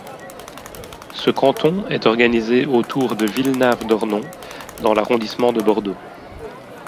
Ce canton est organisé autour de Villenave-d'Ornon dans l'arrondissement de Bordeaux.